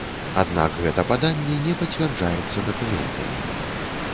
Аднак гэта паданне не пацвярджаецца дакументамі.